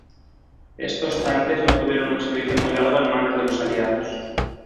Estos tanques no tuvieron un servicio muy largo en manos de los Aliados.